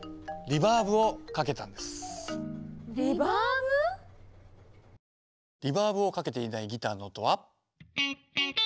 リバーブをかけていないギターの音は。